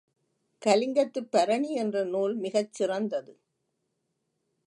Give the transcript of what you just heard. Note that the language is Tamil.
கலிங்கத்துப் பரணி என்ற நூல் மிகச் சிறந்தது.